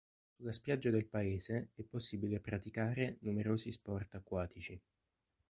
Sulla spiaggia del paese è possibile praticare numerosi sport acquatici.